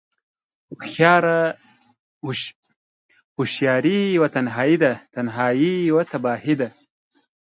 هوشیاری یوه تنهایی ده، تنهایی یوه تباهی ده